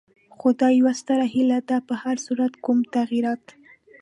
خو دا یوه ستره هیله ده، په هر صورت کوم تغیرات.